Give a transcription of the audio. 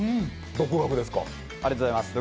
独学です！